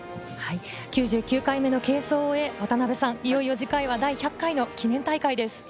９９回目の継走を終え、いよいよ次回は１００回の記念大会です。